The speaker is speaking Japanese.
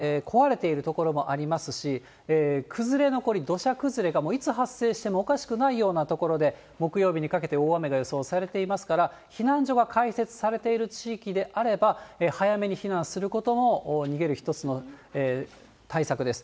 繰り返しになりますが、もうすでに堤防が壊れている所もありますし、崩れ残り、土砂崩れがもういつ発生してもおかしくないような所で、木曜日にかけて大雨が予想されていますから、避難所が開設されている地域であれば、早めに避難することも、逃げる一つの対策です。